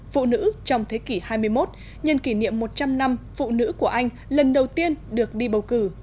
phụ nữ trong thế kỷ hai mươi một nhân kỷ niệm một trăm linh năm phụ nữ của anh lần đầu tiên được đi bầu cử